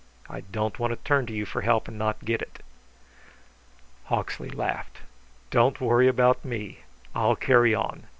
I don't want to turn to you for help and not get it." Hawksley laughed. "Don't worry about me. I'll carry on.